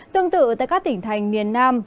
tương tự tại các tỉnh thành miền nam